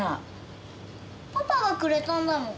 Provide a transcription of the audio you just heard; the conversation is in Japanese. パパがくれたんだもん。